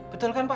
betul kan pak